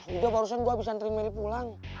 yaudah barusan gue habis ngantriin meli pulang